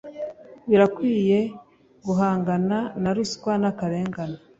Birakwiye guhangana na ruswa n’akarengane